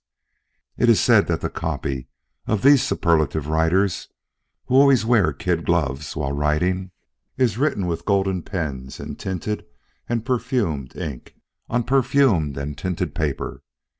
It is said that the "copy" of these superlative writers, who always wear kid gloves while writing, is written with golden pens and tinted and perfumed ink, on perfumed and tinted paper.